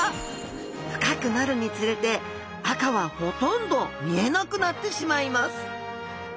深くなるにつれて赤はほとんど見えなくなってしまいます。